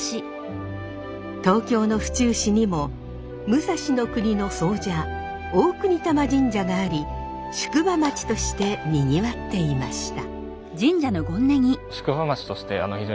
東京の府中市にも武蔵国の総社大國魂神社があり宿場町としてにぎわっていました。